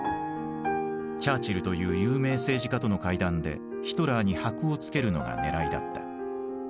チャーチルという有名政治家との会談でヒトラーにはくを付けるのがねらいだった。